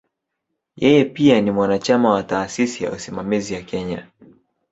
Yeye pia ni mwanachama wa "Taasisi ya Usimamizi ya Kenya".